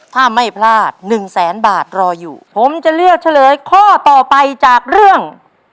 ถ้าไม่พลาดหนึ่งแสนบาทรออยู่ผมจะเลือกเฉลยข้อต่อไปจากเรื่อง